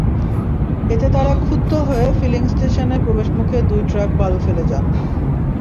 এতে তাঁরা ক্ষুব্ধ হয়ে ফিলিং স্টেশনে প্রবেশমুখে দুই ট্রাক বালু ফেলে যান।